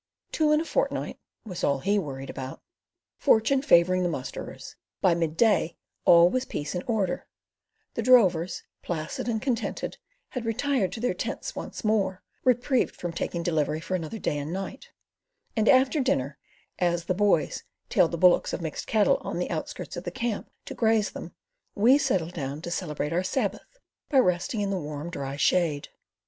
"Two in a fortnight" was all he worried about. Fortune favouring the musterers, by midday all was peace and order; the drovers, placid and contented, had retired to their tents once more, reprieved from taking delivery for another day and night, and after dinner, as the "boys" tailed the bullocks and mixed cattle on the outskirts of the camp, to graze them, we settled down to "celebrate our Sabbath" by resting in the warm, dry shade.